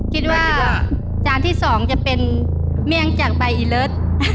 จานที่๒จะเป็นเมี่ยงจากใบอีเลิศ